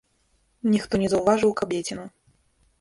Ніхто не заўважыў кабеціну.